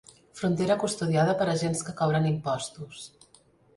Frontera custodiada per agents que cobren impostos.